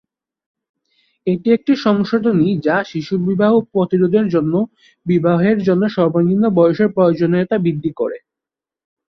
এটি একটি সংশোধনী যা শিশু বিবাহ প্রতিরোধের জন্য বিবাহের জন্য সর্বনিম্ন বয়সের প্রয়োজনীয়তা বৃদ্ধি করে।